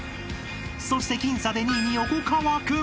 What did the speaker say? ［そして僅差で２位に横川君］